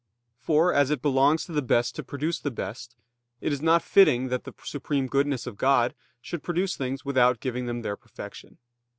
For as "it belongs to the best to produce the best," it is not fitting that the supreme goodness of God should produce things without giving them their perfection.